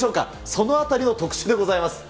そのあたりの特集でございます。